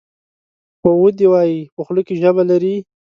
ودي وایي ! په خوله کې ژبه لري .